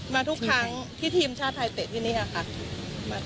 มาทุกครั้งที่ทีมชาติไทยเตะที่นี่ค่ะค่ะมาตลอด